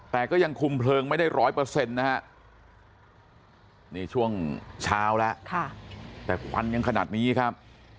แต่ฟันยังขนาดนี้ครับ